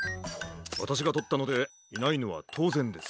わたしがとったのでいないのはとうぜんです。